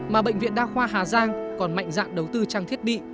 mà bệnh viện đa khoa hà giang còn mạnh dạng đầu tư trang thiết bị